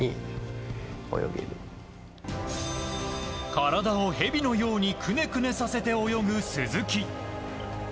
体を蛇のようにくねくねさせて泳ぐ鈴木。